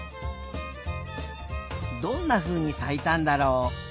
どんなふうにさいたんだろう？